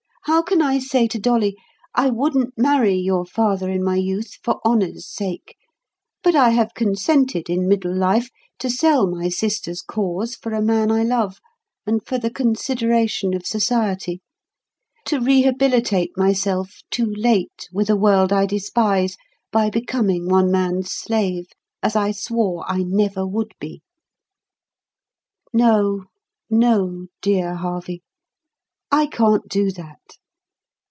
How can I say to Dolly, 'I wouldn't marry your father in my youth, for honour's sake; but I have consented in middle life to sell my sisters' cause for a man I love, and for the consideration of society; to rehabilitate myself too late with a world I despise by becoming one man's slave, as I swore I never would be.' No, no, dear Harvey; I can't do that.